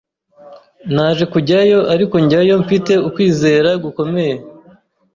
naje kujyayo ariko njyayo mfite kwizera gukomeye